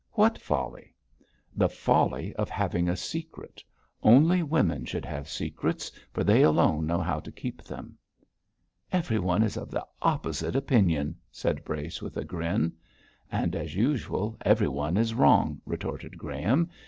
What folly?' 'The folly of having a secret. Only women should have secrets, for they alone know how to keep them.' 'Everyone is of the opposite opinion,' said Brace, with a grin. 'And, as usual, everyone is wrong,' retorted Graham.